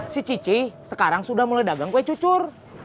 si cici sekarang sudah mulai dagang kue cucur